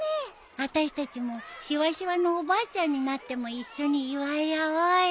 あたしたちもシワシワのおばあちゃんになっても一緒に祝い合おうよ。